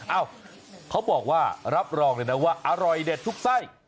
เอ้าเขาบอกว่ารับรองเลยนะว่าอร่อยเด็ดทุกไส้